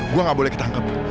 gua gak boleh ketangkep